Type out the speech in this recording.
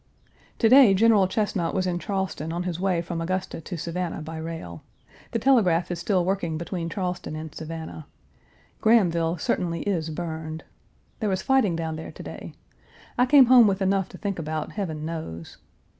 To day General Chesnut was in Charleston on his way from Augusta to Savannah by rail. The telegraph is still working between Charleston and Savannah. Grahamville certainly is burned. There was fighting down there to day. I came home with enough to think about, Heaven knows!